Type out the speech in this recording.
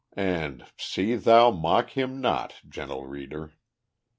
And "see thou mock him not," gentle reader!